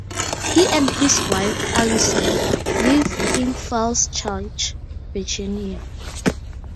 He and his wife, Alison, live in Falls Church, Virginia.